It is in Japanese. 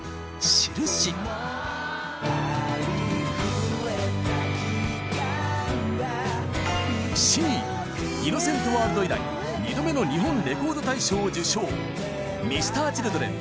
「しるし」Ｃ「ｉｎｎｏｃｅｎｔｗｏｒｌｄ」以来２度目の日本レコード大賞を受賞Ｍｒ．Ｃｈｉｌｄｒｅｎ